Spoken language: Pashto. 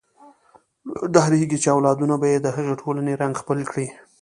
ډارېږي چې اولادونه به یې د هغې ټولنې رنګ خپل کړي.